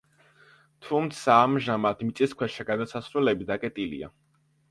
თუმცა ამჟამად მიწისქვეშა გადასასვლელები დაკეტილია.